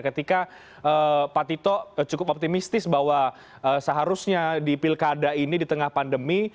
ketika pak tito cukup optimistis bahwa seharusnya di pilkada ini di tengah pandemi